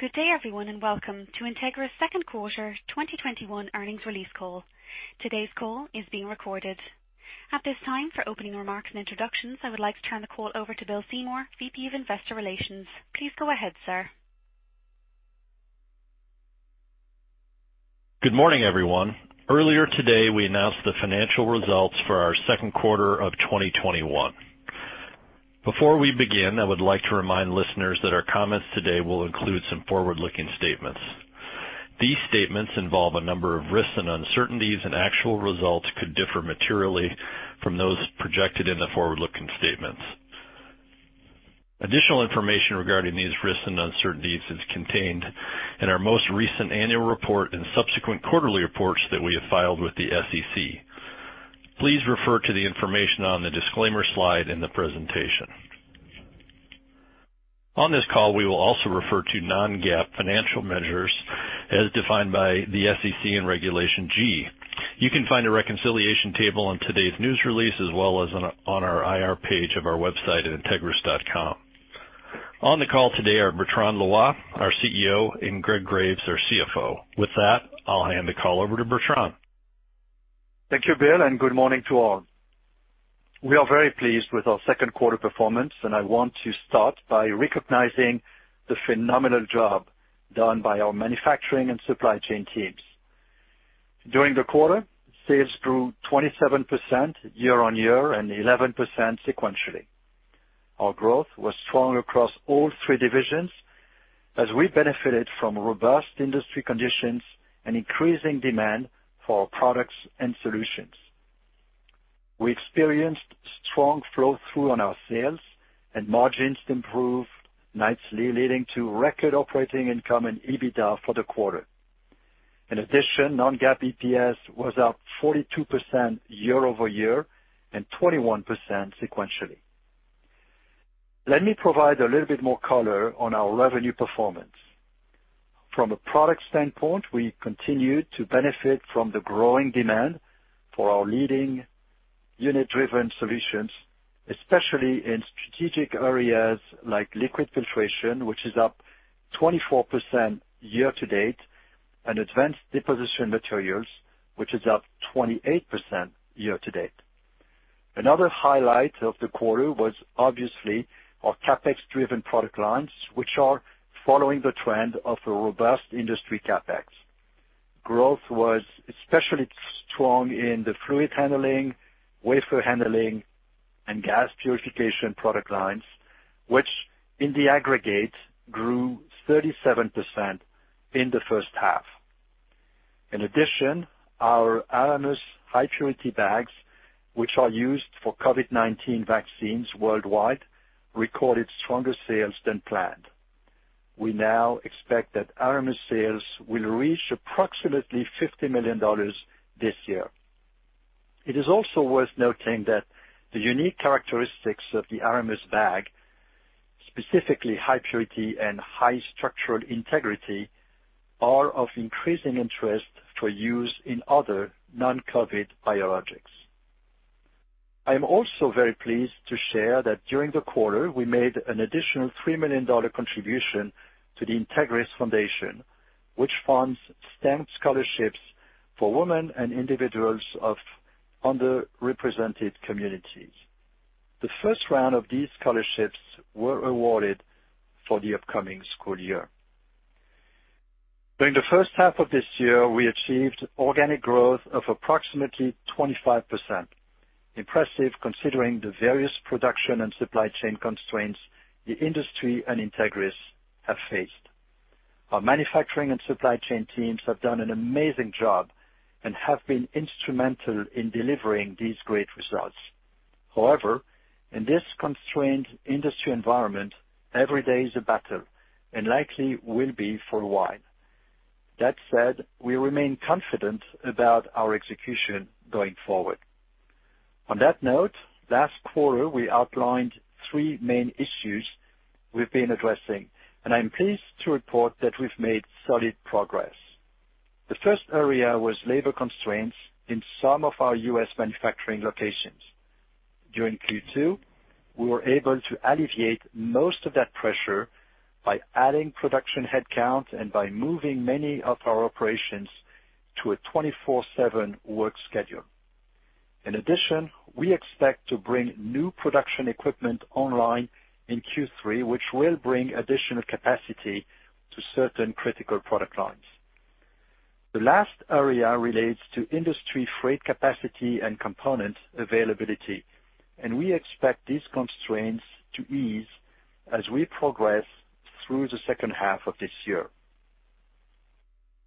Good day, everyone, and welcome to Entegris' second quarter 2021 earnings release call. Today's call is being recorded. At this time, for opening remarks and introductions, I would like to turn the call over to Bill Seymour, VP of Investor Relations. Please go ahead, sir. Good morning, everyone. Earlier today, we announced the financial results for our second quarter of 2021. Before we begin, I would like to remind listeners that our comments today will include some forward-looking statements. These statements involve a number of risks and uncertainties, and actual results could differ materially from those projected in the forward-looking statements. Additional information regarding these risks and uncertainties is contained in our most recent annual report and subsequent quarterly reports that we have filed with the SEC. Please refer to the information on the disclaimer slide in the presentation. On this call, we will also refer to non-GAAP financial measures as defined by the SEC and Regulation G. You can find a reconciliation table on today's news release as well as on our IR page of our website at entegris.com. On the call today are Bertrand Loy, our CEO, and Greg Graves, our CFO. With that, I'll hand the call over to Bertrand. Thank you, Bill, and good morning to all. We are very pleased with our second quarter performance, and I want to start by recognizing the phenomenal job done by our manufacturing and supply chain teams. During the quarter, sales grew 27% year-on-year and 11% sequentially. Our growth was strong across all three divisions as we benefited from robust industry conditions and increasing demand for our products and solutions. We experienced strong flow-through on our sales and margins improved nicely, leading to record operating income and EBITDA for the quarter. In addition, non-GAAP EPS was up 42% year-over-year and 21% sequentially. Let me provide a little bit more color on our revenue performance. From a product standpoint, we continued to benefit from the growing demand for our leading unit-driven solutions, especially in strategic areas like liquid filtration, which is up 24% year-to-date, and advanced deposition materials, which is up 28% year-to-date. Another highlight of the quarter was obviously our CapEx-driven product lines, which are following the trend of a robust industry CapEx. Growth was especially strong in the fluid handling, wafer handling, and gas purification product lines, which in the aggregate grew 37% in the first half. In addition, our Aramus high-purity bags, which are used for COVID-19 vaccines worldwide, recorded stronger sales than planned. We now expect that Aramus sales will reach approximately $50 million this year. It is also worth noting that the unique characteristics of the Aramus bag, specifically high purity and high structural integrity, are of increasing interest for use in other non-COVID biologics. I am also very pleased to share that during the quarter, we made an additional $3 million contribution to the Entegris Foundation, which funds STEM scholarships for women and individuals of underrepresented communities. The first round of these scholarships were awarded for the upcoming school year. During the first half of this year, we achieved organic growth of approximately 25%. Impressive, considering the various production and supply chain constraints the industry and Entegris have faced. Our manufacturing and supply chain teams have done an amazing job and have been instrumental in delivering these great results. In this constrained industry environment, every day is a battle and likely will be for a while. That said, we remain confident about our execution going forward. On that note, last quarter, we outlined three main issues we've been addressing, and I'm pleased to report that we've made solid progress. The first area was labor constraints in some of our U.S. manufacturing locations. During Q2, we were able to alleviate most of that pressure by adding production headcount and by moving many of our operations to a 24/7 work schedule. We expect to bring new production equipment online in Q3, which will bring additional capacity to certain critical product lines. The last area relates to industry freight capacity and component availability. We expect these constraints to ease as we progress through the second half of this year.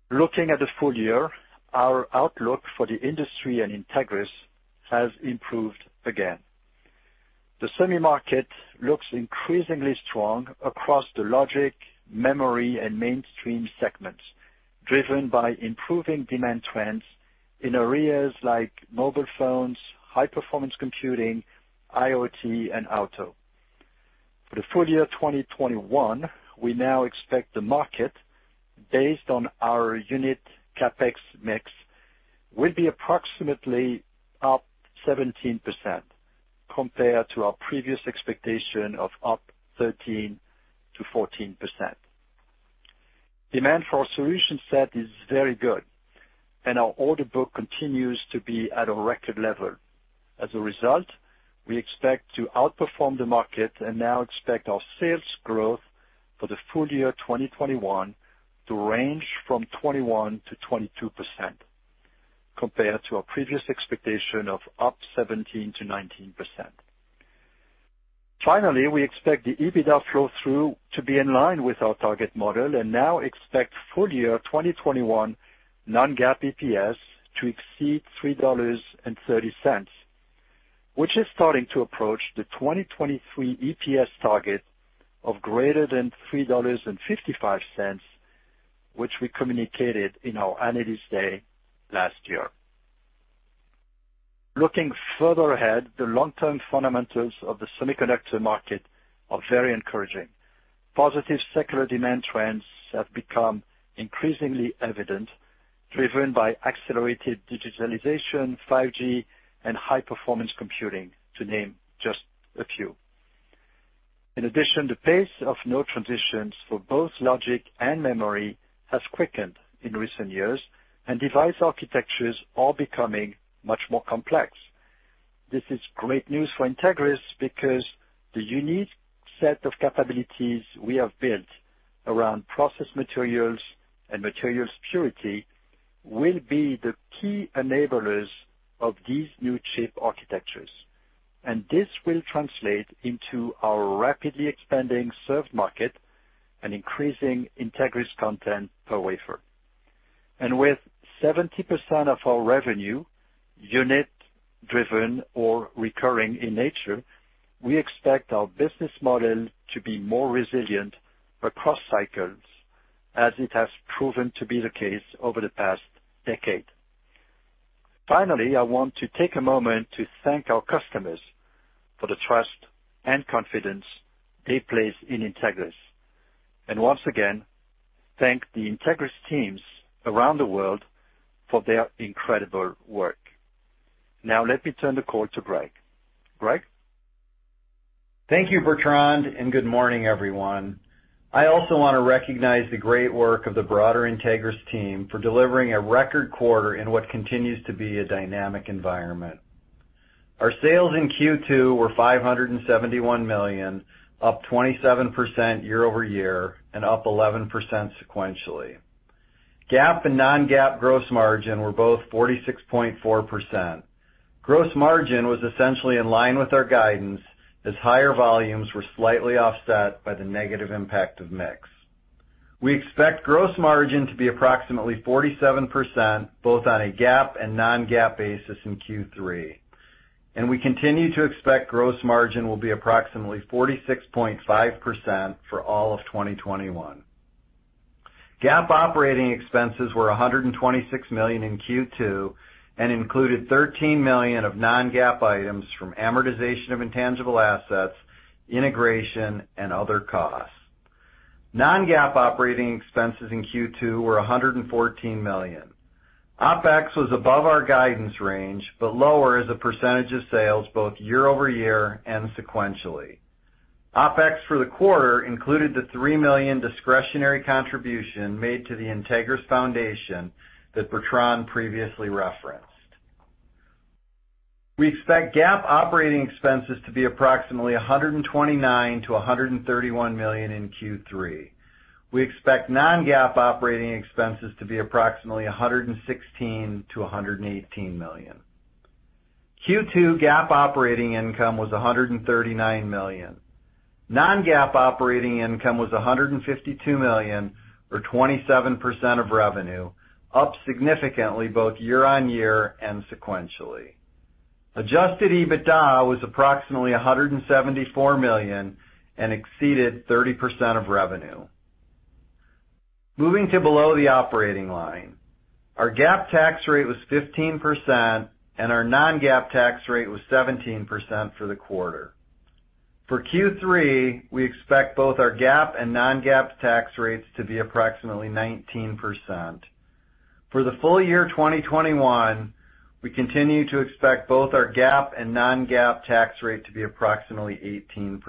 Looking at the full year, our outlook for the industry and Entegris has improved again. The semi market looks increasingly strong across the logic, memory, and mainstream segments, driven by improving demand trends in areas like mobile phones, high-performance computing, IoT, and auto. For the full year 2021, we now expect the market based on our unit CapEx mix will be approximately up 17% compared to our previous expectation of up 13%-14%. Demand for our solution set is very good, our order book continues to be at a record level. As a result, we expect to outperform the market and now expect our sales growth for the full year 2021 to range from 21%-22%, compared to our previous expectation of up 17%-19%. We expect the EBITDA flow-through to be in line with our target model and now expect full year 2021 non-GAAP EPS to exceed $3.30, which is starting to approach the 2023 EPS target of greater than $3.55, which we communicated in our Analyst Day last year. Looking further ahead, the long-term fundamentals of the semiconductor market are very encouraging. Positive secular demand trends have become increasingly evident, driven by accelerated digitalization, 5G, and high-performance computing, to name just a few. In addition, the pace of node transitions for both logic and memory has quickened in recent years, and device architectures are becoming much more complex. This is great news for Entegris because the unique set of capabilities we have built around process materials and materials purity will be the key enablers of these new chip architectures. This will translate into our rapidly expanding served market and increasing Entegris content per wafer. With 70% of our revenue unit-driven or recurring in nature, we expect our business model to be more resilient across cycles, as it has proven to be the case over the past decade. Finally, I want to take a moment to thank our customers for the trust and confidence they place in Entegris. Once again, thank the Entegris teams around the world for their incredible work. Now let me turn the call to Greg. Greg? Thank you, Bertrand. Good morning, everyone. I also want to recognize the great work of the broader Entegris team for delivering a record quarter in what continues to be a dynamic environment. Our sales in Q2 were $571 million, up 27% year-over-year, and up 11% sequentially. GAAP and non-GAAP gross margin were both 46.4%. Gross margin was essentially in line with our guidance, as higher volumes were slightly offset by the negative impact of mix. We expect gross margin to be approximately 47%, both on a GAAP and non-GAAP basis in Q3. We continue to expect gross margin will be approximately 46.5% for all of 2021. GAAP operating expenses were $126 million in Q2 and included $13 million of non-GAAP items from amortization of intangible assets, integration, and other costs. Non-GAAP operating expenses in Q2 were $114 million. OpEx was above our guidance range, but lower as a percentage of sales both year-over-year and sequentially. OpEx for the quarter included the $3 million discretionary contribution made to the Entegris Foundation that Bertrand previously referenced. We expect GAAP operating expenses to be approximately $129 million-$131 million in Q3. We expect non-GAAP operating expenses to be approximately $116 million-$118 million. Q2 GAAP operating income was $139 million. Non-GAAP operating income was $152 million, or 27% of revenue, up significantly both year-on-year and sequentially. Adjusted EBITDA was approximately $174 million and exceeded 30% of revenue. Moving to below the operating line. Our GAAP tax rate was 15%, and our non-GAAP tax rate was 17% for the quarter. For Q3, we expect both our GAAP and non-GAAP tax rates to be approximately 19%. For the full year 2021, we continue to expect both our GAAP and non-GAAP tax rate to be approximately 18%.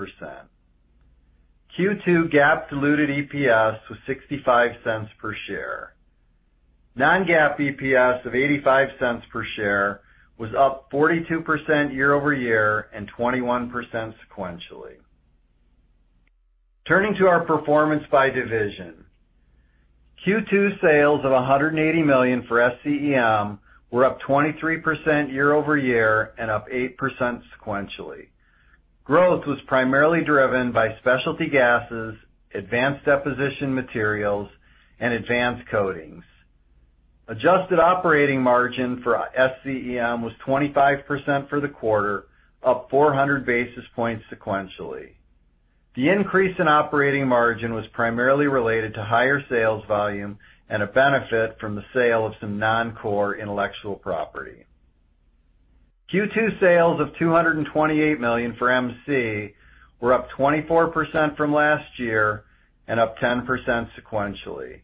Q2 GAAP diluted EPS was $0.65 per share. Non-GAAP EPS of $0.85 per share was up 42% year-over-year and 21% sequentially. Turning to our performance by division. Q2 sales of $180 million for SCEM were up 23% year-over-year and up 8% sequentially. Growth was primarily driven by specialty gases, advanced deposition materials, and advanced coatings. Adjusted operating margin for SCEM was 25% for the quarter, up 400 basis points sequentially. The increase in operating margin was primarily related to higher sales volume and a benefit from the sale of some non-core intellectual property. Q2 sales of $228 million for MC were up 24% from last year and up 10% sequentially.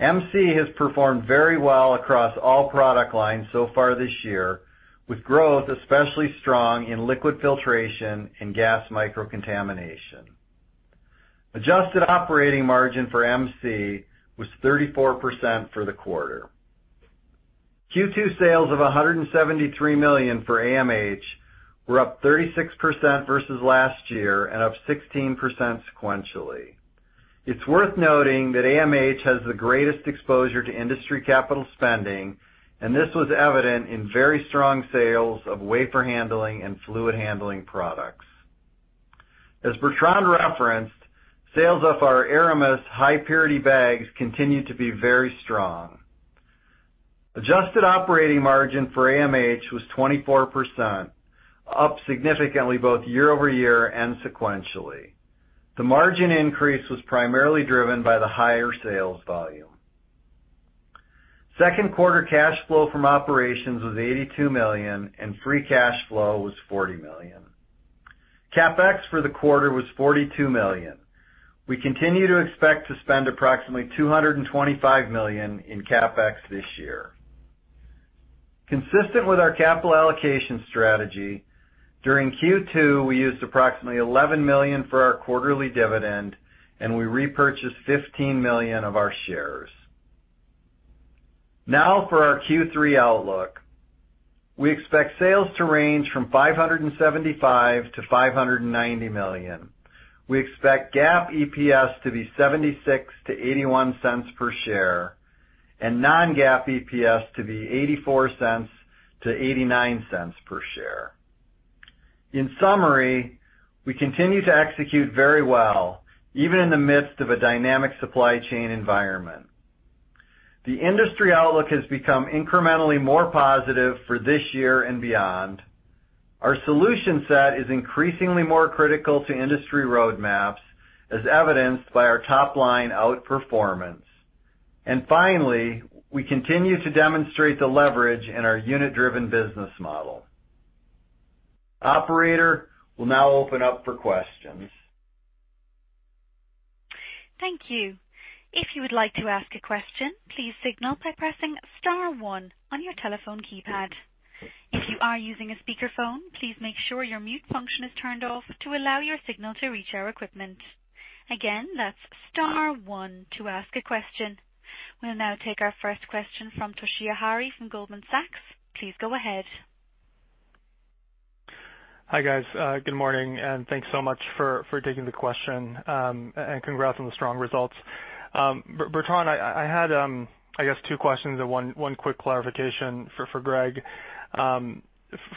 MC has performed very well across all product lines so far this year, with growth especially strong in liquid filtration and gas microcontamination. Adjusted operating margin for MC was 34% for the quarter. Q2 sales of $173 million for AMH were up 36% versus last year and up 16% sequentially. It's worth noting that AMH has the greatest exposure to industry capital spending, and this was evident in very strong sales of wafer handling and fluid handling products. As Bertrand referenced, sales of our Aramus high purity bags continue to be very strong. Adjusted operating margin for AMH was 24%, up significantly both year-over-year and sequentially. The margin increase was primarily driven by the higher sales volume. Second quarter cash flow from operations was $82 million, and free cash flow was $40 million. CapEx for the quarter was $42 million. We continue to expect to spend approximately $225 million in CapEx this year. Consistent with our capital allocation strategy, during Q2, we used approximately $11 million for our quarterly dividend, and we repurchased $15 million of our shares. For our Q3 outlook. We expect sales to range from $575 million-$590 million. We expect GAAP EPS to be $0.76-$0.81 per share, and non-GAAP EPS to be $0.84-$0.89 per share. In summary, we continue to execute very well, even in the midst of a dynamic supply chain environment. The industry outlook has become incrementally more positive for this year and beyond. Our solution set is increasingly more critical to industry roadmaps, as evidenced by our top-line outperformance. Finally, we continue to demonstrate the leverage in our unit-driven business model. Operator, we'll now open up for questions. Thank you. If you would like to ask a question, please signal by pressing star one on your telephone keypad. If you are using a speakerphone, please make sure your mute function is turned off to allow your signal to reach our equipment. Again, that's star one to ask a question. We'll now take our first question from Toshiya Hari from Goldman Sachs. Please go ahead. Hi, guys. Good morning, thanks so much for taking the question. Congrats on the strong results. Bertrand, I had, I guess, two questions and one quick clarification for Greg.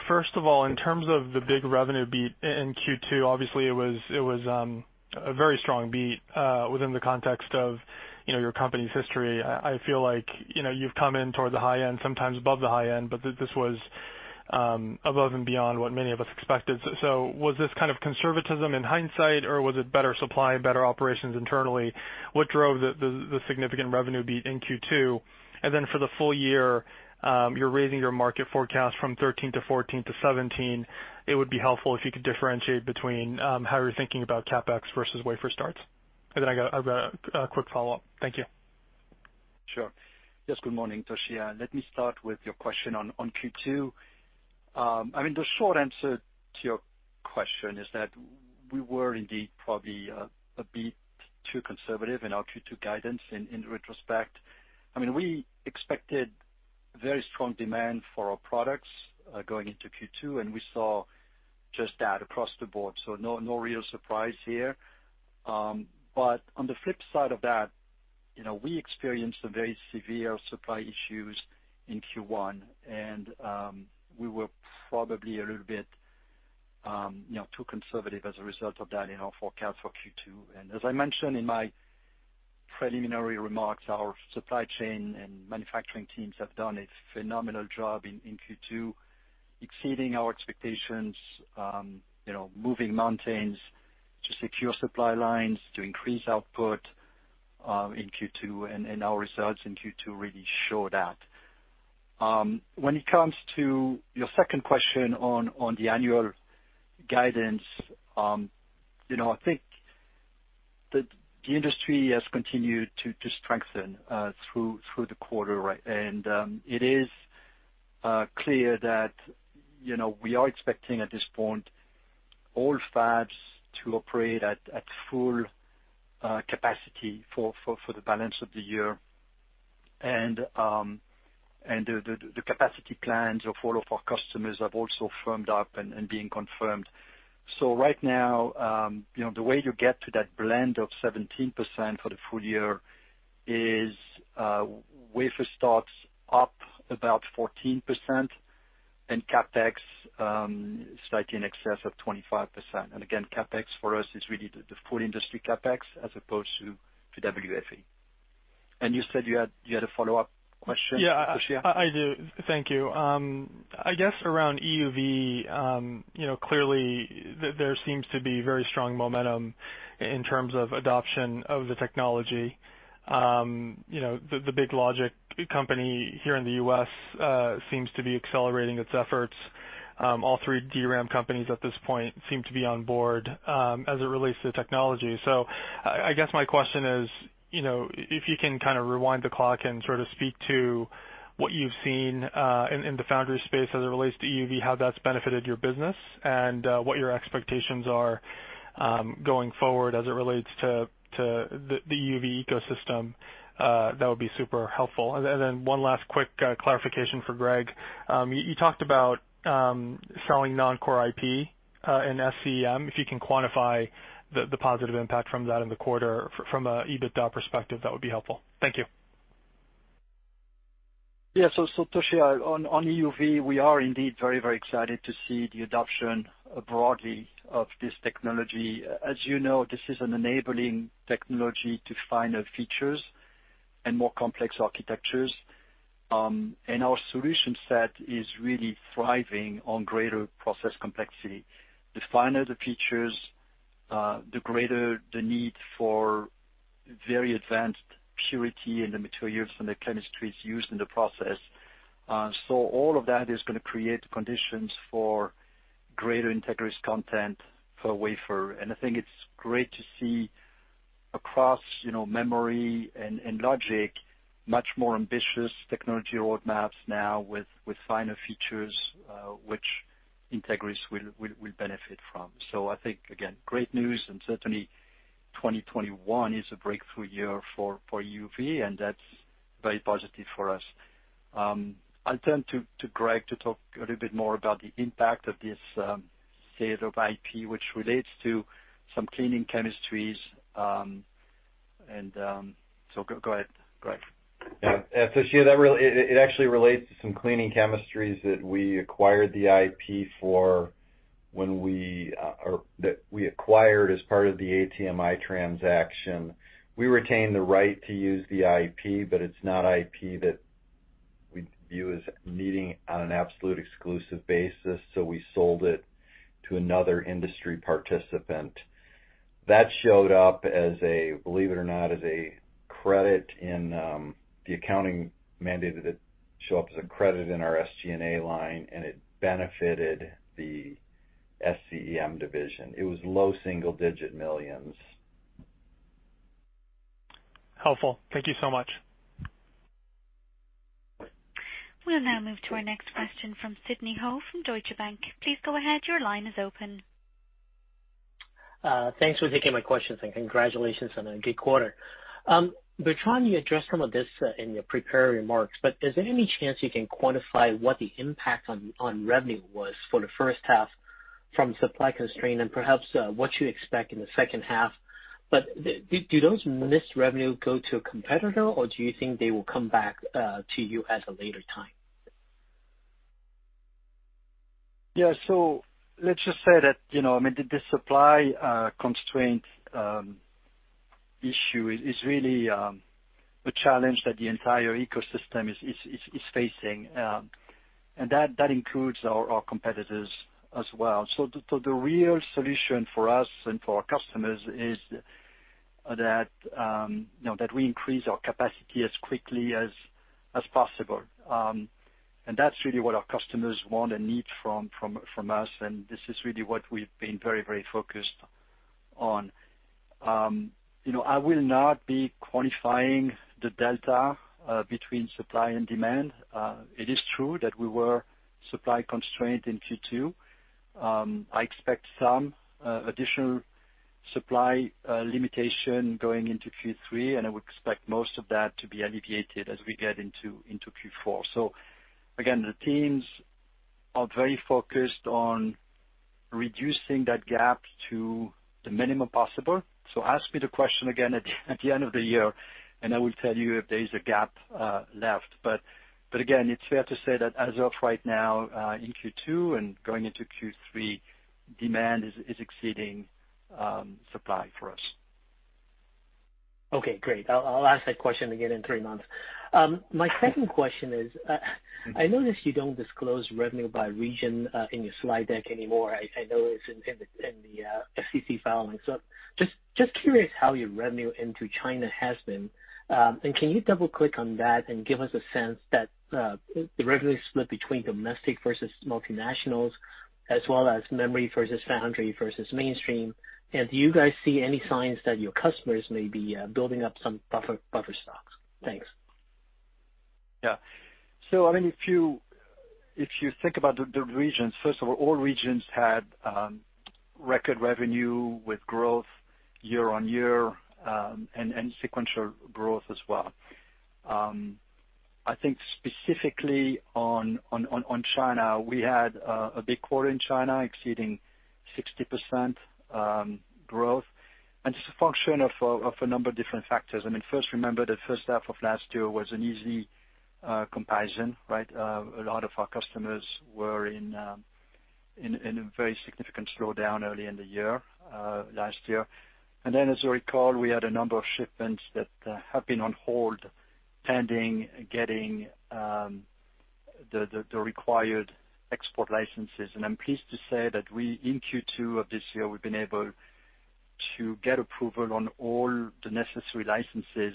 First of all, in terms of the big revenue beat in Q2, obviously it was a very strong beat within the context of your company's history. I feel like you've come in toward the high end, sometimes above the high end, but this was above and beyond what many of us expected. Was this kind of conservatism in hindsight, or was it better supply, better operations internally? What drove the significant revenue beat in Q2? Then for the full year, you're raising your market forecast from 13% to 14% to 17%. It would be helpful if you could differentiate between how you're thinking about CapEx versus wafer starts. Then I've got a quick follow-up. Thank you. Sure. Yes, good morning, Toshiya. Let me start with your question on Q2. The short answer to your question is that we were indeed probably a bit too conservative in our Q2 guidance in retrospect. We expected very strong demand for our products going into Q2. We saw just that across the board. No real surprise here. On the flip side of that, we experienced some very severe supply issues in Q1. We were probably a little bit too conservative as a result of that in our forecast for Q2. As I mentioned in my preliminary remarks, our supply chain and manufacturing teams have done a phenomenal job in Q2, exceeding our expectations, moving mountains to secure supply lines, to increase output in Q2. Our results in Q2 really show that. When it comes to your second question on the annual guidance, I think that the industry has continued to strengthen through the quarter. It is clear that we are expecting at this point all fabs to operate at full capacity for the balance of the year. The capacity plans of all of our customers have also firmed up and being confirmed. Right now, the way you get to that blend of 17% for the full year is wafer starts up about 14% and CapEx slightly in excess of 25%. Again, CapEx for us is really the full industry CapEx as opposed to WFE. You said you had a follow-up question, Toshiya? Thank you. Around EUV, clearly, there seems to be very strong momentum in terms of adoption of the technology. The big logic company here in the U.S. seems to be accelerating its efforts. All three DRAM companies at this point seem to be on board as it relates to technology. My question is, if you can kind of rewind the clock and sort of speak to what you've seen in the foundry space as it relates to EUV, how that's benefited your business, and what your expectations are going forward as it relates to the EUV ecosystem, that would be super helpful. One last quick clarification for Greg. You talked about selling non-core IP in SCEM. If you can quantify the positive impact from that in the quarter from an EBITDA perspective, that would be helpful. Thank you. Yeah. Toshiya, on EUV, we are indeed very excited to see the adoption broadly of this technology. As you know, this is an enabling technology to finer features and more complex architectures. Our solution set is really thriving on greater process complexity. The finer the features, the greater the need for very advanced purity in the materials and the chemistries used in the process. All of that is going to create conditions for greater Entegris content per wafer. I think it's great to see across memory and logic, much more ambitious technology roadmaps now with finer features, which Entegris will benefit from. I think, again, great news, certainly 2021 is a breakthrough year for EUV, that's very positive for us. I'll turn to Greg to talk a little bit more about the impact of this sale of IP, which relates to some cleaning chemistries. Go ahead, Greg. Toshiya, it actually relates to some cleaning chemistries that we acquired the IP for that we acquired as part of the ATMI transaction. We retained the right to use the IP, but it's not IP that we view as needing on an absolute exclusive basis, so we sold it to another industry participant. That showed up, believe it or not, as a credit in the accounting mandate that show up as a credit in our SG&A line, and it benefited the SCEM division. It was low single-digit millions. Helpful. Thank you so much. We'll now move to our next question from Sidney Ho from Deutsche Bank. Please go ahead, your line is open. Thanks for taking my questions, and congratulations on a good quarter. Bertrand, you addressed some of this in your prepared remarks, but is there any chance you can quantify what the impact on revenue was for the first half from supply constraint and perhaps what you expect in the second half? Do those missed revenue go to a competitor, or do you think they will come back to you at a later time? Let's just say that the supply constraint issue is really a challenge that the entire ecosystem is facing. That includes our competitors as well. The real solution for us and for our customers is that we increase our capacity as quickly as possible. That's really what our customers want and need from us, and this is really what we've been very focused on. I will not be quantifying the delta between supply and demand. It is true that we were supply constrained in Q2. I expect some additional supply limitation going into Q3, and I would expect most of that to be alleviated as we get into Q4. Again, the teams are very focused on reducing that gap to the minimum possible. Ask me the question again at the end of the year, and I will tell you if there is a gap left. Again, it's fair to say that as of right now, in Q2 and going into Q3, demand is exceeding supply for us. Okay, great. I'll ask that question again in three months. My second question is, I noticed you don't disclose revenue by region in your slide deck anymore. I know it's in the SEC filing. Just curious how your revenue into China has been. Can you double-click on that and give us a sense that the revenue split between domestic versus multinationals, as well as memory versus foundry versus mainstream? Do you guys see any signs that your customers may be building up some buffer stocks? Thanks. Yeah. If you think about the regions, first of all regions had record revenue with growth year-on-year, and sequential growth as well. I think specifically on China, we had a big quarter in China exceeding 60% growth, it's a function of a number of different factors. First, remember that first half of last year was an easy comparison, right? A lot of our customers were in a very significant slowdown early in the year, last year. As you recall, we had a number of shipments that have been on hold pending getting the required export licenses. I'm pleased to say that we, in Q2 of this year, we've been able to get approval on all the necessary licenses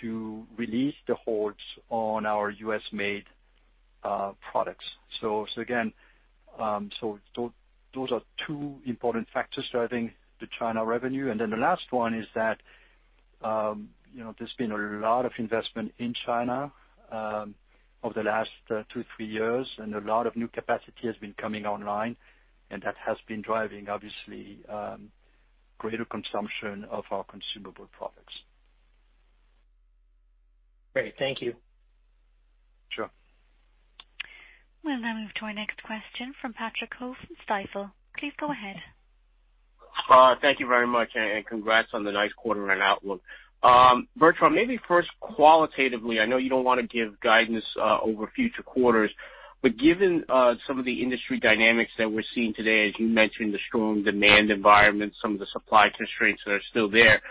to release the holds on our U.S.-made products. Again, those are two important factors driving the China revenue. The last one is that there's been a lot of investment in China over the last two, three years, and a lot of new capacity has been coming online, and that has been driving, obviously, greater consumption of our consumable products. Great. Thank you. Sure. We'll now move to our next question from Patrick Ho from Stifel. Please go ahead. Thank you very much. Congrats on the nice quarter and outlook. Bertrand, maybe first, qualitatively, I know you don't want to give guidance over future quarters, but given some of the industry dynamics that we're seeing today, as you mentioned, the strong demand environment, some of the supply constraints that are still there,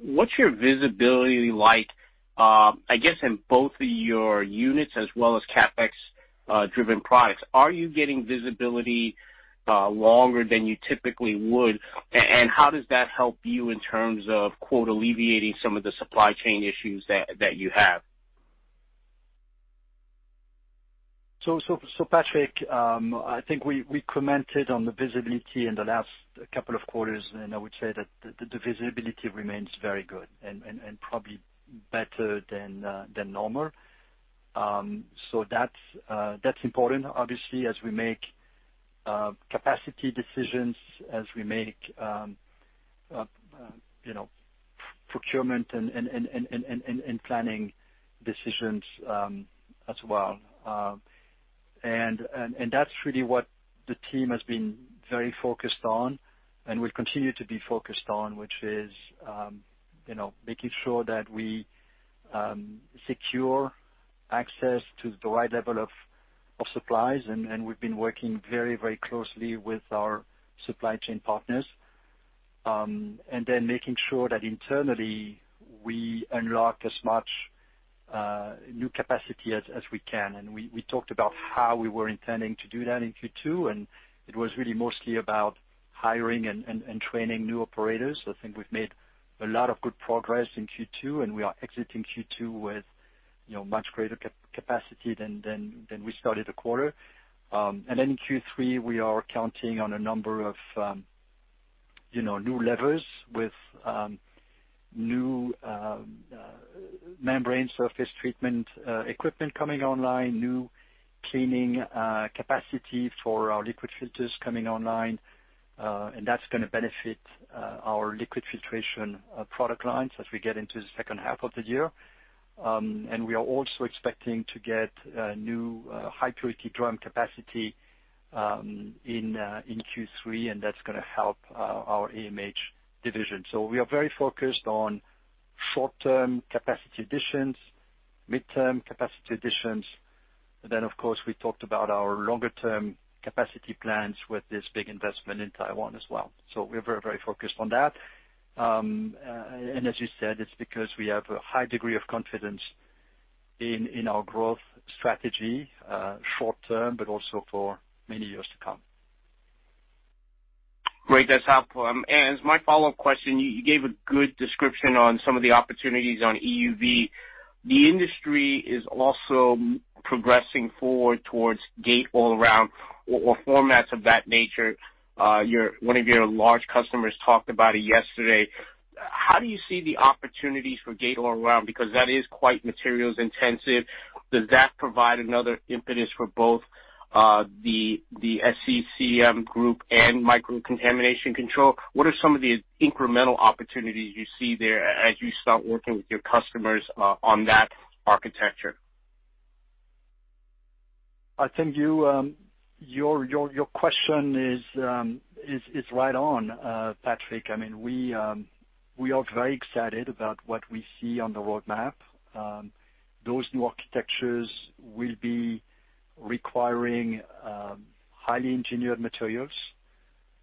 what's your visibility like, I guess, in both of your units as well as CapEx-driven products? Are you getting visibility longer than you typically would? How does that help you in terms of, quote, alleviating some of the supply chain issues that you have? Patrick, I think we commented on the visibility in the last couple of quarters, and I would say that the visibility remains very good and probably better than normal. That's important, obviously, as we make capacity decisions, as we make procurement and planning decisions as well. That's really what the team has been very focused on and will continue to be focused on, which is making sure that we secure access to the right level of supplies, and we've been working very closely with our supply chain partners. Making sure that internally we unlock as much new capacity as we can. We talked about how we were intending to do that in Q2, and it was really mostly about hiring and training new operators. I think we've made a lot of good progress in Q2, and we are exiting Q2 with much greater capacity than we started the quarter. In Q3, we are counting on a number of new levers with new membrane surface treatment equipment coming online, new cleaning capacity for our liquid filters coming online. That's going to benefit our liquid filtration product lines as we get into the second half of the year. We are also expecting to get new high-purity drum capacity in Q3, and that's going to help our AMH division. We are very focused on short-term capacity additions, mid-term capacity additions. Of course, we talked about our longer-term capacity plans with this big investment in Taiwan as well. We're very focused on that. As you said, it's because we have a high degree of confidence in our growth strategy short-term, but also for many years to come. Great. That's helpful. As my follow-up question, you gave a good description on some of the opportunities on EUV. The industry is also progressing forward towards gate-all-around or formats of that nature. One of your large customers talked about it yesterday. How do you see the opportunities for gate-all-around? Because that is quite materials intensive. Does that provide another impetus for both the SCEM group and microcontamination control? What are some of the incremental opportunities you see there as you start working with your customers on that architecture? I think your question is right on, Patrick. We are very excited about what we see on the roadmap. Those new architectures will be requiring highly engineered materials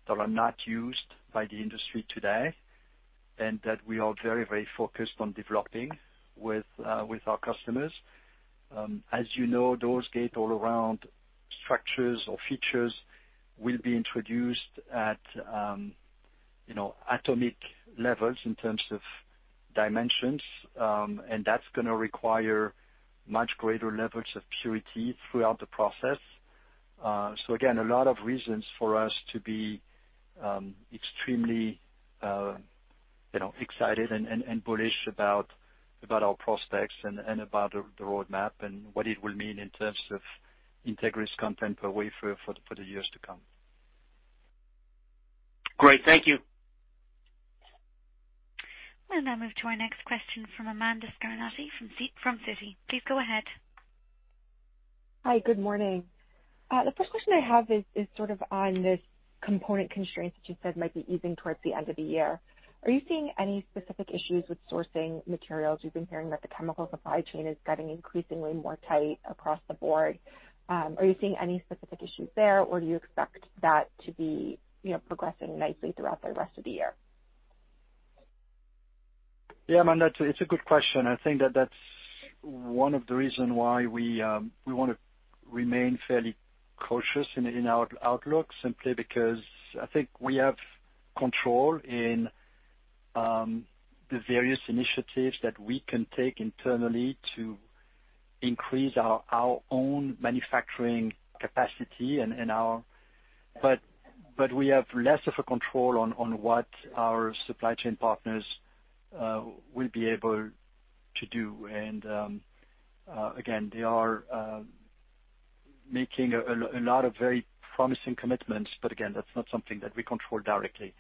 that are not used by the industry today, and that we are very focused on developing with our customers. As you know, those gate-all-around structures or features will be introduced at atomic levels in terms of dimensions. That's going to require much greater levels of purity throughout the process. Again, a lot of reasons for us to be extremely excited and bullish about our prospects and about the roadmap and what it will mean in terms of Entegris content per wafer for the years to come. Great. Thank you. We'll now move to our next question from Amanda Scarnati from Citi. Please go ahead. Hi. Good morning. The first question I have is sort of on this component constraints that you said might be easing towards the end of the year. Are you seeing any specific issues with sourcing materials? We've been hearing that the chemical supply chain is getting increasingly more tight across the board. Are you seeing any specific issues there, or do you expect that to be progressing nicely throughout the rest of the year? Amanda, it's a good question. I think, that's one of the reason why we want to remain fairly cautious in our outlook, simply because I think we have control in the various initiatives that we can take internally to increase our own manufacturing capacity. We have less of a control on what our supply chain partners will be able to do. Again, they are making a lot of very promising commitments, but again, that's not something that we control directly.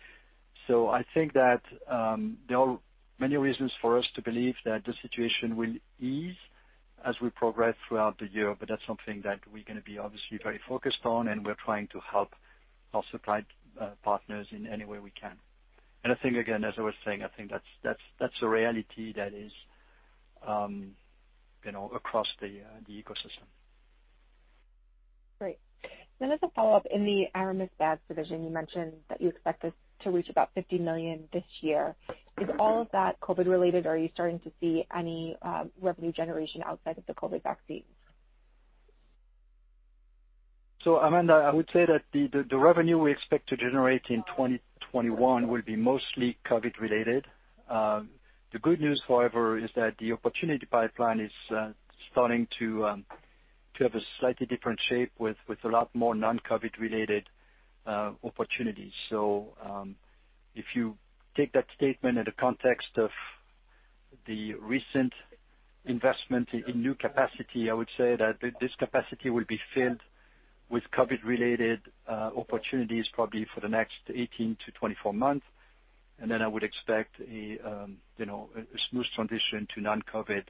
I think that there are many reasons for us to believe that the situation will ease as we progress throughout the year, but that's something that we're going to be obviously very focused on, and we're trying to help our supply partners in any way we can. I think, again, as I was saying, I think that's a reality that is across the ecosystem. Great. As a follow-up, in the Aramus bags division, you mentioned that you expect this to reach about $50 million this year. Is all of that COVID related, or are you starting to see any revenue generation outside of the COVID vaccine? Amanda, I would say that the revenue we expect to generate in 2021 will be mostly COVID related. The good news, however, is that the opportunity pipeline is starting to have a slightly different shape with a lot more non-COVID related opportunities. If you take that statement in the context of the recent investment in new capacity, I would say that this capacity will be filled with COVID related opportunities probably for the next 18-24 months, and then I would expect a smooth transition to non-COVID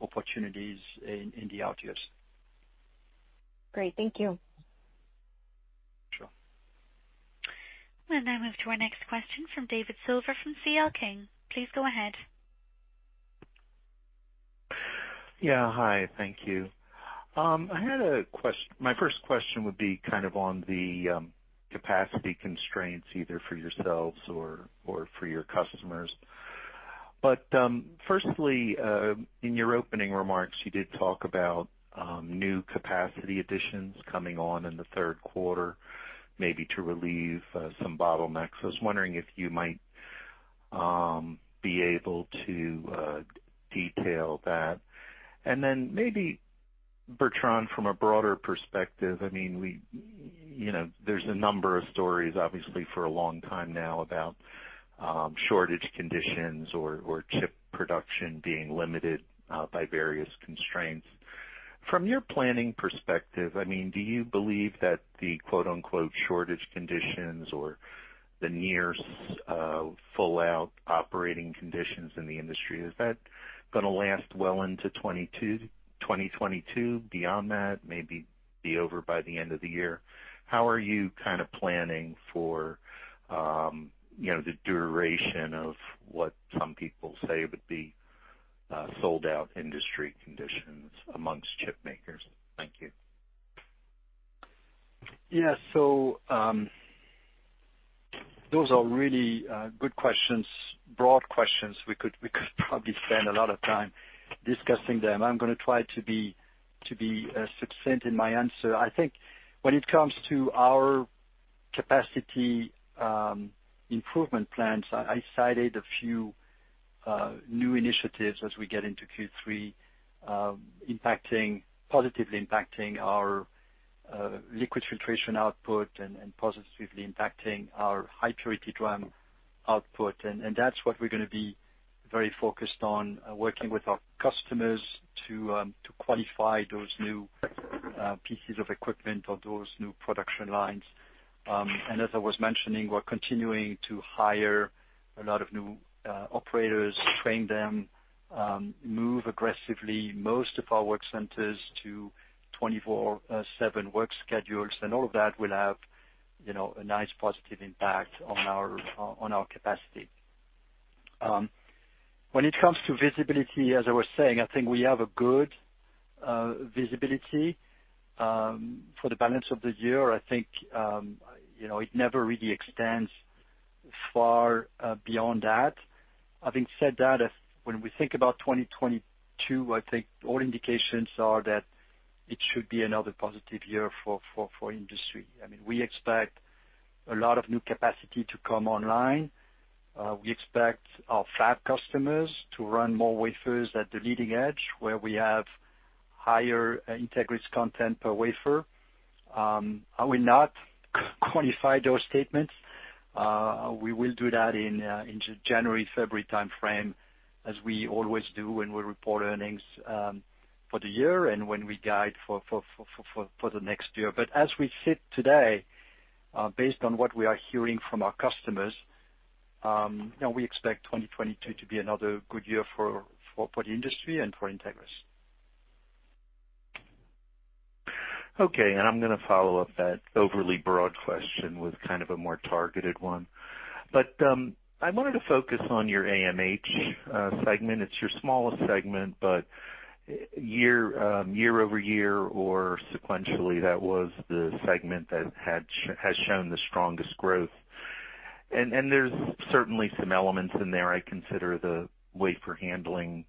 opportunities in the out years. Great. Thank you. Sure. We'll now move to our next question from David Silver, from C.L. King. Please go ahead. Yeah. Hi, thank you. My first question would be kind of on the capacity constraints, either for yourselves or for your customers. Firstly, in your opening remarks, you did talk about new capacity additions coming on in the third quarter, maybe to relieve some bottlenecks. I was wondering if you might be able to detail that. Maybe, Bertrand, from a broader perspective, there's a number of stories, obviously for a long time now, about shortage conditions or chip production being limited by various constraints. From your planning perspective, do you believe that the "shortage conditions" or the near full out operating conditions in the industry, is that going to last well into 2022, beyond that? Maybe be over by the end of the year? How are you kind of planning for the duration of what some people say would be sold-out industry conditions amongst chip makers? Thank you. Yeah. Those are really good questions, broad questions. We could probably spend a lot of time discussing them. I'm going to try to be succinct in my answer. I think when it comes to our capacity improvement plans, I cited a few new initiatives as we get into Q3, positively impacting our liquid filtration output and positively impacting our high-purity drum output. That's what we're going to be very focused on, working with our customers to qualify those new pieces of equipment or those new production lines. As I was mentioning, we're continuing to hire a lot of new operators, train them, move aggressively most of our work centers to 24/7 work schedules. All of that will have a nice positive impact on our capacity. When it comes to visibility, as I was saying, I think we have a good visibility for the balance of the year. I think, it never really extends far beyond that. Having said that, when we think about 2022, I think all indications are that it should be another positive year for industry. We expect a lot of new capacity to come online. We expect our fab customers to run more wafers at the leading edge, where we have higher Entegris content per wafer. I will not quantify those statements. We will do that in January, February timeframe, as we always do when we report earnings for the year and when we guide for the next year. As we sit today, based on what we are hearing from our customers, we expect 2022 to be another good year for the industry and for Entegris. Okay, I'm going to follow-up that overly broad question with kind of a more targeted one. I wanted to focus on your AMH segment. It's your smallest segment, but year-over-year or sequentially, that was the segment that has shown the strongest growth. There's certainly some elements in there I consider the wafer handling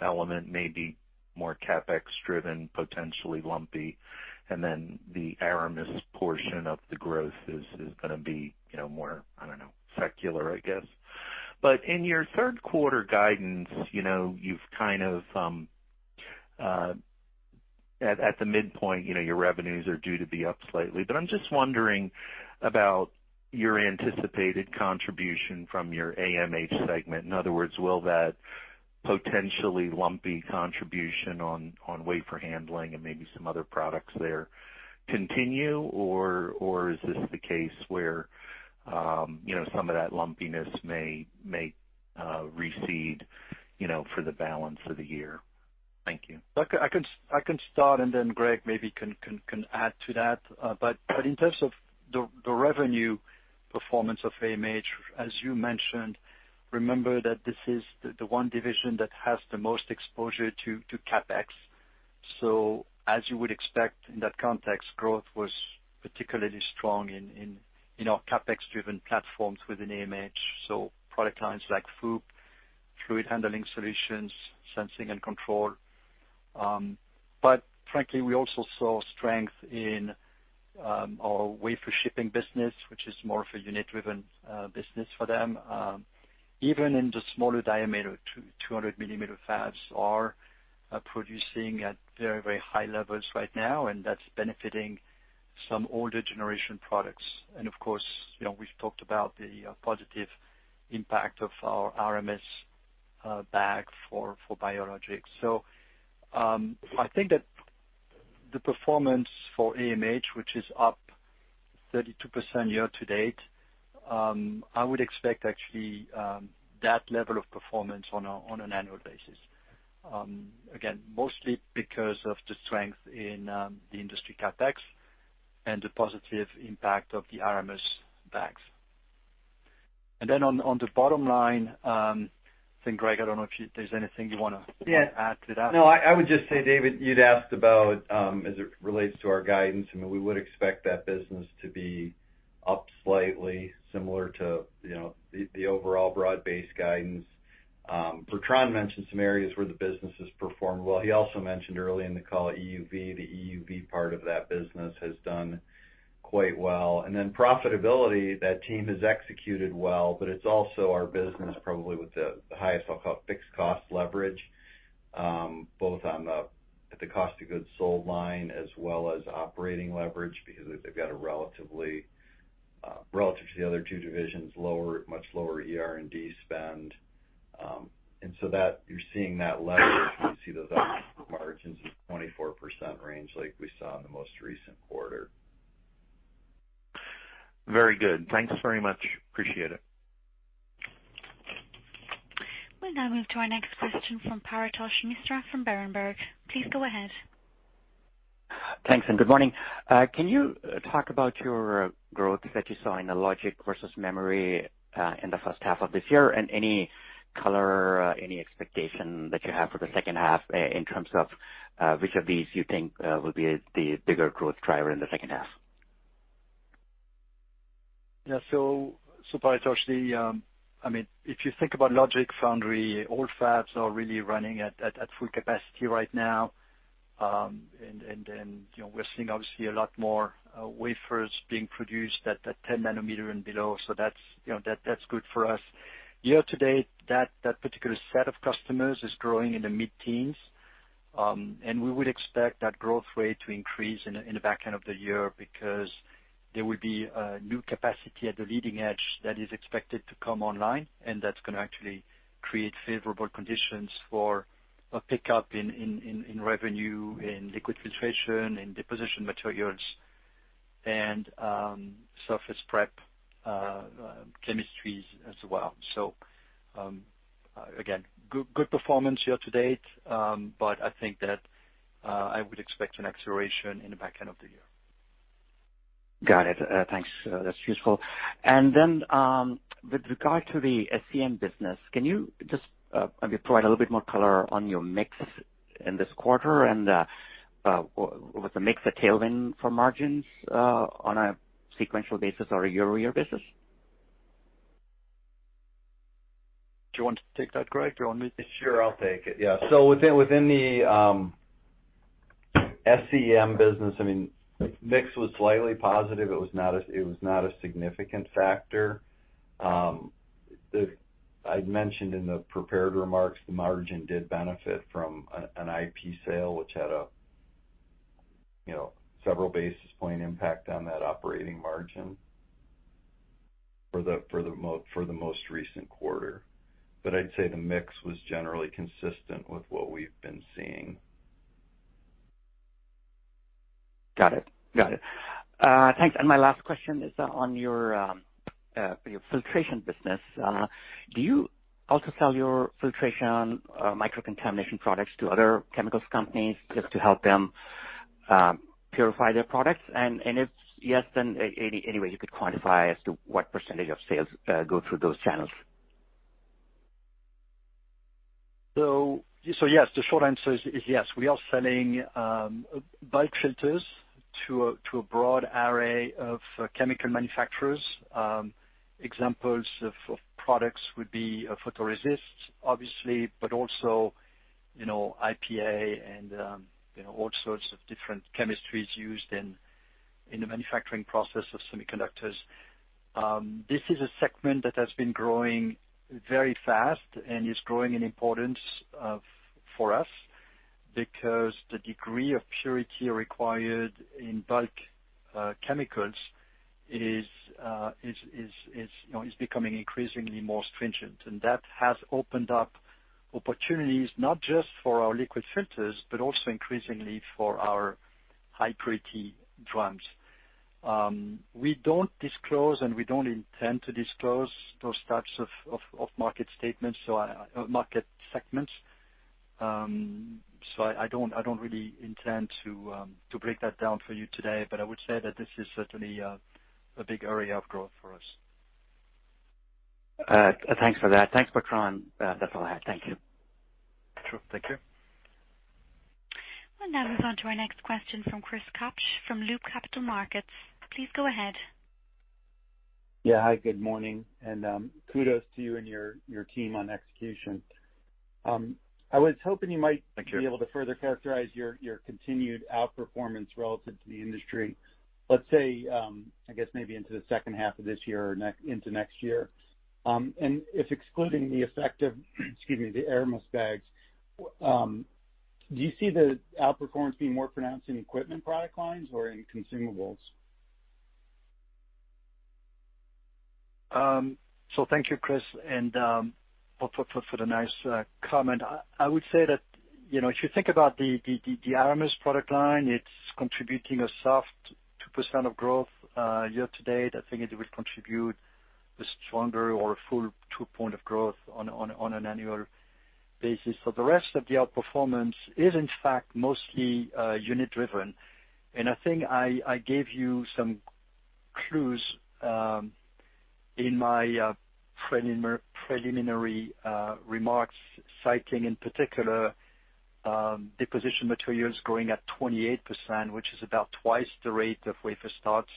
element may be more CapEx driven, potentially lumpy, and then the Aramus portion of the growth is going to be more, I don't know, secular, I guess. In your third quarter guidance, at the midpoint, your revenues are due to be up slightly. I'm just wondering about your anticipated contribution from your AMH segment. In other words, will that potentially lumpy contribution on wafer handling and maybe some other products there continue, or is this the case where some of that lumpiness may recede for the balance of the year? Thank you. I can start. Then Greg maybe can add to that. In terms of the revenue performance of AMH, as you mentioned, remember that this is the one division that has the most exposure to CapEx. As you would expect in that context, growth was particularly strong in our CapEx-driven platforms within AMH, product lines like FOUP, fluid handling solutions, sensing and control. Frankly, we also saw strength in our wafer shipping business, which is more of a unit-driven business for them. Even in the smaller diameter, 200 mm fabs are producing at very high levels right now, and that's benefiting some older generation products. Of course, we've talked about the positive impact of our Aramus bag for biologics. I think that the performance for AMH, which is up 32% year-to-date, I would expect actually, that level of performance on an annual basis. Mostly because of the strength in the industry CapEx and the positive impact of the Aramus bags. On the bottom line, I think, Greg, I don't know if there's anything you want to add to that? No, I would just say, David, you'd asked about, as it relates to our guidance. We would expect that business to be up slightly similar to the overall broad-based guidance. Bertrand mentioned some areas where the business has performed well. He also mentioned early in the call EUV. The EUV part of that business has done quite well. Then profitability, that team has executed well, but it's also our business probably with the highest fixed cost leverage, both at the cost of goods sold line as well as operating leverage, because they've got a relative to the other two divisions, much lower ER&D spend. You're seeing that leverage, you see those operating margins of 24% range like we saw in the most recent quarter. Very good. Thanks very much. Appreciate it. We'll now move to our next question from Paretosh Misra from Berenberg. Please go ahead. Thanks. Good morning. Can you talk about your growth that you saw in the logic versus memory, in the first half of this year and any color, any expectation that you have for the second half in terms of which of these you think will be the bigger growth driver in the second half? Paretosh, if you think about logic foundry, all fabs are really running at full capacity right now. We're seeing, obviously, a lot more wafers being produced at 10 nm and below. That's good for us. Year-to-date, that particular set of customers is growing in the mid-teens. We would expect that growth rate to increase in the back end of the year because there will be a new capacity at the leading edge that is expected to come online, and that's going to actually create favorable conditions for a pickup in revenue, in liquid filtration, in deposition materials, and surface prep chemistries as well. Again, good performance year-to-date, but I think that I would expect an acceleration in the back end of the year. Got it. Thanks. That's useful. With regard to the SCEM business, can you just maybe provide a little bit more color on your mix in this quarter and was the mix a tailwind for margins on a sequential basis or a year-over-year basis? Do you want to take that, Greg? Do you want me to? Sure, I'll take it. Within the SCEM business, mix was slightly positive. It was not a significant factor. I'd mentioned in the prepared remarks, the margin did benefit from an IP sale which had several basis point impact on that operating margin for the most recent quarter. I'd say the mix was generally consistent with what we've been seeing. Got it. Thanks. My last question is on your filtration business. Do you also sell your filtration microcontamination products to other chemicals companies just to help them purify their products? If yes, any way you could quantify as to what percentage of sales go through those channels? Yes. The short answer is yes. We are selling bulk filters to a broad array of chemical manufacturers. Examples of products would be photoresist, obviously, but also IPA and all sorts of different chemistries used in the manufacturing process of semiconductors. This is a segment that has been growing very fast and is growing in importance for us because the degree of purity required in bulk chemicals is becoming increasingly more stringent. That has opened up opportunities not just for our liquid filters, but also increasingly for our high purity drums. We don't disclose, and we don't intend to disclose those types of market statements, so market segments. I don't really intend to break that down for you today, but I would say that this is certainly a big area of growth for us. Thanks for that. Thanks, Bertrand. That's all I have. Thank you. Sure. Thank you. We'll now move on to our next question from Chris Kapsch from Loop Capital Markets. Please go ahead. Yeah. Hi, good morning, and kudos to you and your team on execution. Thank you. I was hoping you might be able to further characterize your continued outperformance relative to the industry. Let's say, I guess maybe into the second half of this year or into next year. If excluding the effect of, excuse me, the Aramus bags, do you see the outperformance being more pronounced in equipment product lines or in consumables? Thank you, Chris, and for the nice comment. I would say that, if you think about the Aramus product line, it's contributing a soft 2% of growth year-to-date. I think it would contribute a stronger or a full 2% point of growth on an annual basis. The rest of the outperformance is, in fact, mostly unit driven. I think I gave you some clues in my preliminary remarks, citing in particular deposition materials growing at 28%, which is about twice the rate of wafer starts,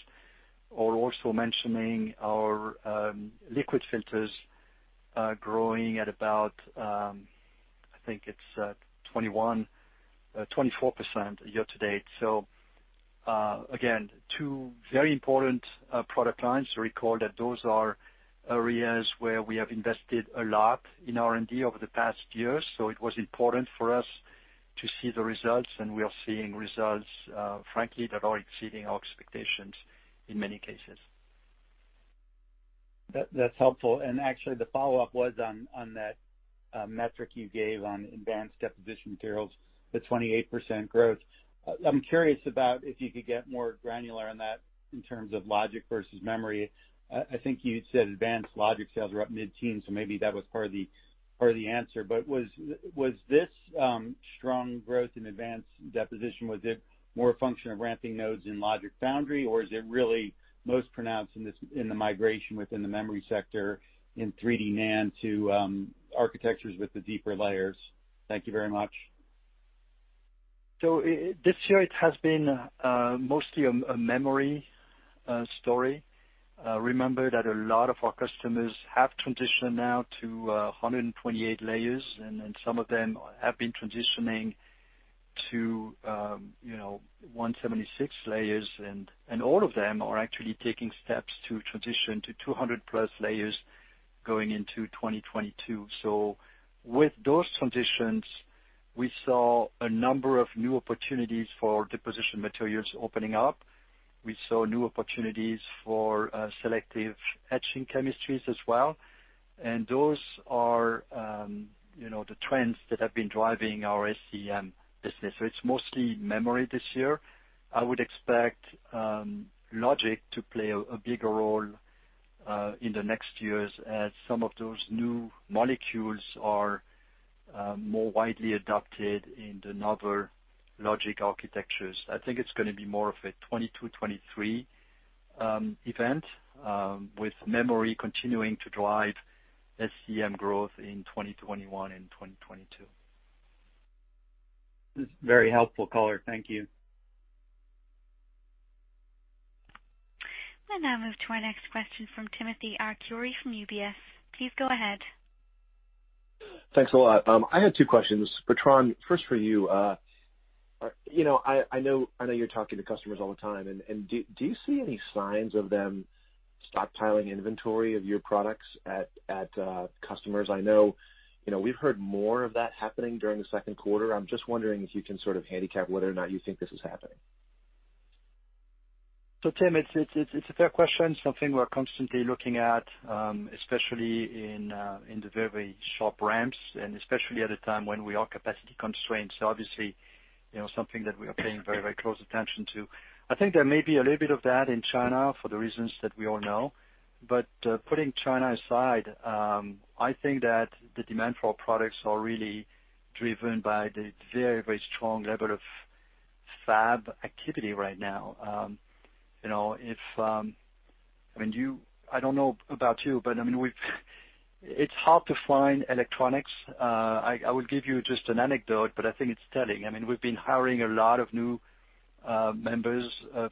or also mentioning our liquid filters are growing at about, I think it's 24% year-to-date. Again, two very important product lines. Recall that those are areas where we have invested a lot in R&D over the past years, so it was important for us to see the results, and we are seeing results, frankly, that are exceeding our expectations in many cases. That's helpful. Actually, the follow-up was on that metric you gave on advanced deposition materials, the 28% growth. I'm curious about if you could get more granular on that in terms of logic versus memory. I think you said advanced logic sales are up mid-teens, so maybe that was part of the answer, but was this strong growth in advanced deposition, was it more a function of ramping nodes in logic foundry, or is it really most pronounced in the migration within the memory sector in 3D NAND to architectures with the deeper layers? Thank you very much. This year it has been mostly a memory story. Remember that a lot of our customers have transitioned now to 128 layers, and then some of them have been transitioning to 176 layers, and all of them are actually taking steps to transition to 200 plus layers going into 2022. With those transitions, we saw a number of new opportunities for deposition materials opening up. We saw new opportunities for selective etching chemistries as well, and those are the trends that have been driving our SCEM business. It's mostly memory this year. I would expect logic to play a bigger role in the next years as some of those new molecules are more widely adopted in the novel logic architectures. I think it's going to be more of a 2022, 2023 event, with memory continuing to drive SCEM growth in 2021 and 2022. This is very helpful color. Thank you. We'll now move to our next question from Timothy Arcuri from UBS. Please go ahead. Thanks a lot. I had two questions. Bertrand, first for you. I know you're talking to customers all the time, and do you see any signs of them stockpiling inventory of your products at customers? I know we've heard more of that happening during the second quarter. I'm just wondering if you can sort of handicap whether or not you think this is happening? Tim, it's a fair question, something we're constantly looking at, especially in the very sharp ramps and especially at a time when we are capacity constrained. Obviously, something that we are paying very close attention to. I think there may be a little bit of that in China for the reasons that we all know. Putting China aside, I think that the demand for our products are really driven by the very strong level of fab activity right now. I don't know about you, but it's hard to find electronics. I will give you just an anecdote, but I think it's telling. We've been hiring a lot of new members of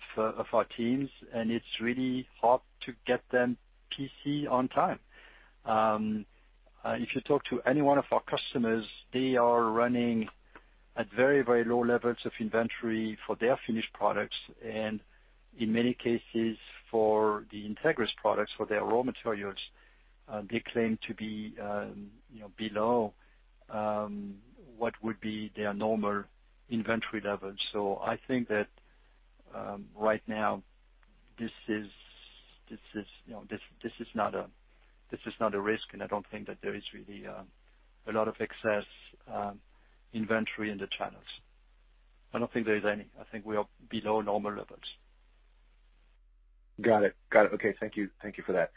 our teams, and it's really hard to get them a PC on time. If you talk to any one of our customers, they are running at very low levels of inventory for their finished products, and in many cases, for the Entegris products, for their raw materials, they claim to be below what would be their normal inventory levels. I think that right now, this is not a risk, and I don't think that there is really a lot of excess inventory in the channels. I don't think there is any. I think we are below normal levels. Got it. Okay. Thank you for that.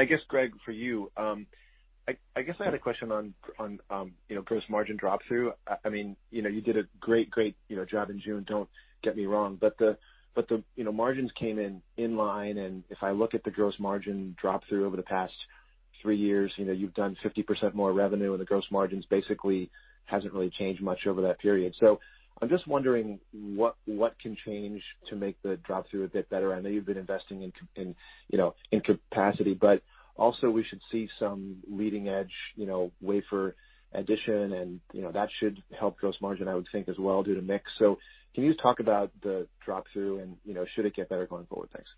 I guess, Greg, for you, I had a question on gross margin drop through. You did a great job in June, don't get me wrong, but the margins came in inline, and if I look at the gross margin drop through over the past three years, you've done 50% more revenue, and the gross margins basically haven't really changed much over that period. I'm just wondering what can change to make the drop through a bit better. I know you've been investing in capacity, but also, we should see some leading-edge wafer addition, and that should help gross margin, I would think as well, due to mix. Can you talk about the drop through and should it get better going forward? Thanks.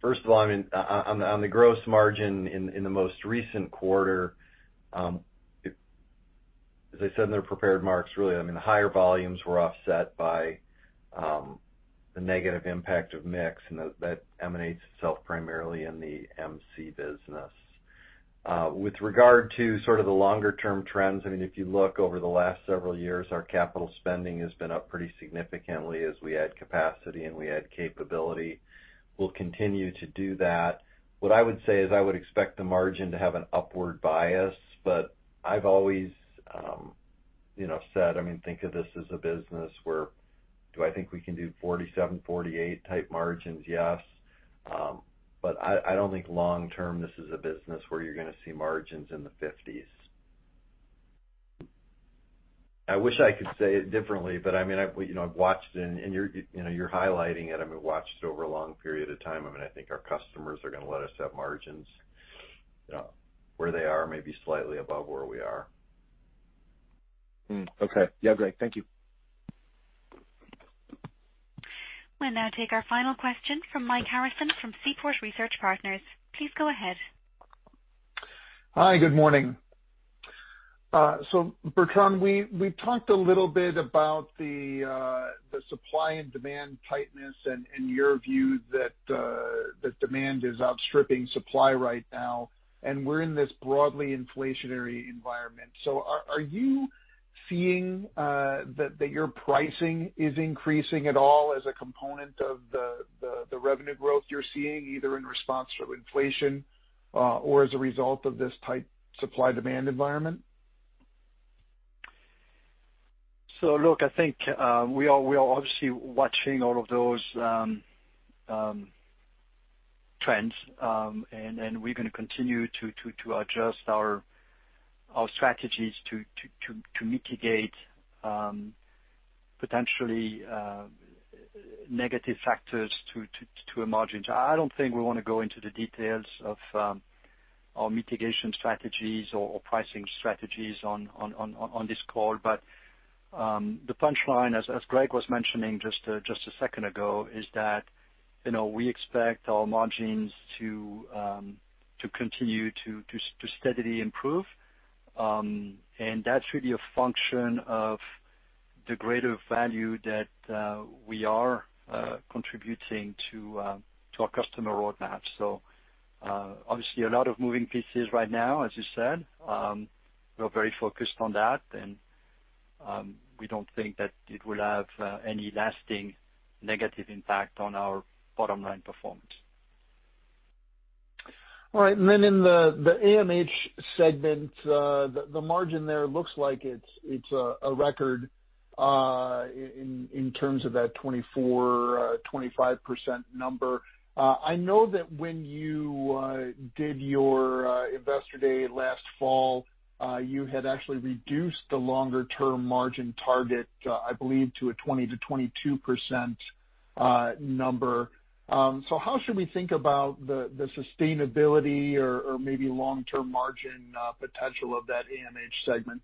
First of all, on the gross margin in the most recent quarter, as I said in the prepared marks, really, the higher volumes were offset by the negative impact of mix, and that emanates itself primarily in the MC business. With regard to sort of the longer-term trends, if you look over the last several years, our capital spending has been up pretty significantly as we add capacity and we add capability. We'll continue to do that. What I would say is I would expect the margin to have an upward bias, but I've always said, think of this as a business where, do I think we can do 47%, 48% type margins? Yes. I don't think long term, this is a business where you're going to see margins in the 50%s. I wish I could say it differently, but I've watched, and you're highlighting it. I've watched over a long period of time. I think our customers are going to let us have margins where they are, maybe slightly above where we are. Okay. Yeah, Greg. Thank you. We'll now take our final question from Mike Harrison from Seaport Research Partners. Please go ahead. Hi, good morning. Bertrand, we talked a little bit about the supply and demand tightness and your view that demand is outstripping supply right now, and we're in this broadly inflationary environment. Are you seeing that your pricing is increasing at all as a component of the revenue growth you're seeing, either in response to inflation or as a result of this tight supply-demand environment? Look, I think we are obviously watching all of those trends, and we're going to continue to adjust our strategies to mitigate potentially negative factors to our margins. I don't think we want to go into the details of our mitigation strategies or pricing strategies on this call. The punchline, as Greg was mentioning just a second ago, is that we expect our margins to continue to steadily improve. That's really a function of the greater value that we are contributing to our customer roadmap. Obviously, a lot of moving pieces right now, as you said. We're very focused on that, and we don't think that it will have any lasting negative impact on our bottom-line performance. All right. In the AMH segment, the margin there looks like it's a record in terms of that 24%-25% number. I know that when you did your Analyst Day last fall, you had actually reduced the longer-term margin target, I believe, to a 20%-22% number. How should we think about the sustainability or maybe long-term margin potential of that AMH segment?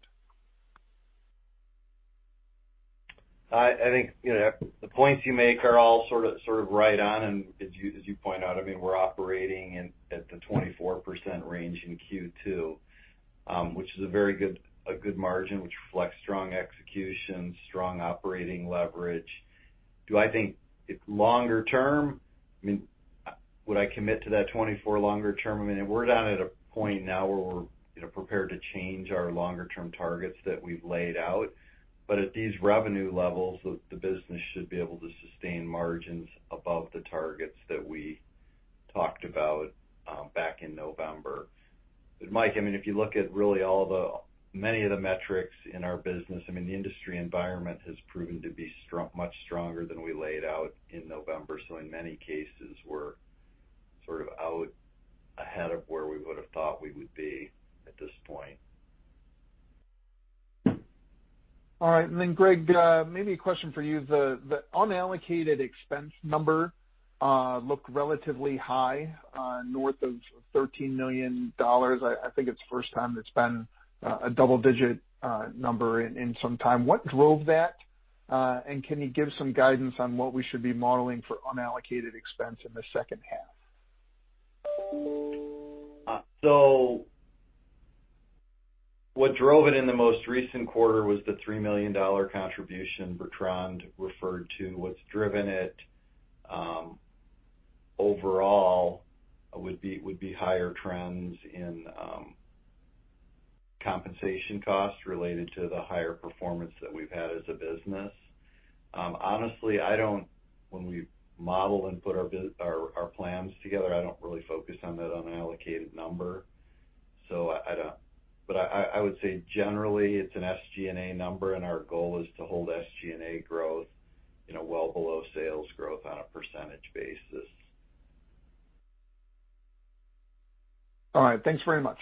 I think the points you make are all sort of right on. As you point out, we're operating at the 24% range in Q2, which is a very good margin, which reflects strong execution, strong operating leverage. Do I think it's longer term? Would I commit to that 24% longer term? We're not at a point now where we're prepared to change our longer-term targets that we've laid out. At these revenue levels, the business should be able to sustain margins above the targets that we talked about back in November. Mike, if you look at really many of the metrics in our business, the industry environment has proven to be much stronger than we laid out in November. In many cases, we're sort of out ahead of where we would have thought we would be at this point. All right. Greg, maybe a question for you. The unallocated expense number looked relatively high, north of $13 million. I think it's the first time it's been a double-digit number in some time. What drove that? Can you give some guidance on what we should be modeling for unallocated expense in the second half? What drove it in the most recent quarter was the $3 million contribution Bertrand referred to. What's driven it overall would be higher trends in compensation costs related to the higher performance that we've had as a business. Honestly, when we model and put our plans together, I don't really focus on that unallocated number. I would say generally, it's an SG&A number, and our goal is to hold SG&A growth well below sales growth on a percentage basis. All right. Thanks very much.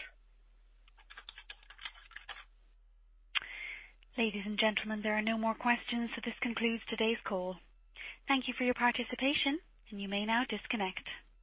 Ladies and gentlemen, there are no more questions, so this concludes today's call. Thank you for your participation, and you may now disconnect.